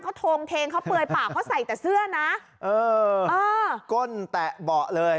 เขาโงเทงเขาเปลือยปากเขาใส่แต่เสื้อนะเออเออก้นแตะเบาะเลย